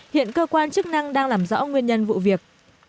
hiện cơ quan chức năng đang làm rõ nguyên nhân vụ việc